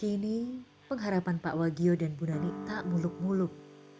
kini pengharapan pak wagio dan bu nani tak muluk muluk